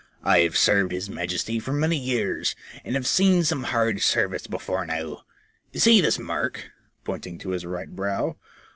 I have served his Majesty for many years, and have seen some hard service before now. You see this mark — pointing to his right brow.